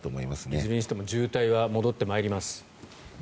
いずれにしても渋滞は戻ってまいります。